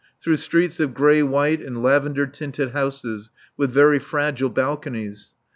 Through streets of grey white and lavender tinted houses, with very fragile balconies.